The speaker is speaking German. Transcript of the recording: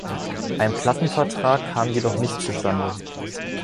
Ein Plattenvertrag kam jedoch nicht zustande.